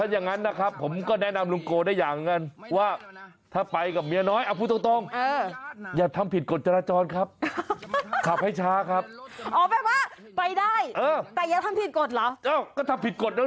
อย่าไปอย่าไปไหนเลยอยู่ในที่ที่ปลอดภัย